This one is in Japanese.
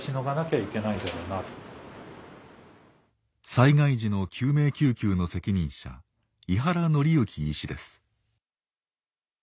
災害時の救命救急の責任者井原則之医師です。